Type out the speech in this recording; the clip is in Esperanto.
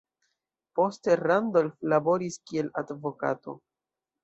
Poste Randolph laboris kiel advokato.